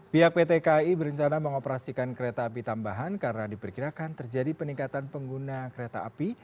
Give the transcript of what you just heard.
pihak pt kai berencana mengoperasikan kereta api tambahan karena diperkirakan terjadi peningkatan pengguna kereta api